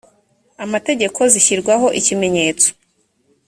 amategeko zishyirwaho ikimenyetso